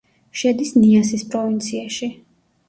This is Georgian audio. შედის ნიასის პროვინციაში.